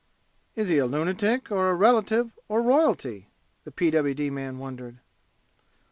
"Is he a lunatic or a relative of royalty?" the P.W.D. man wondered.